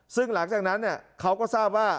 ซึ่งหลังจากนั้นเขาก็ทราบว่า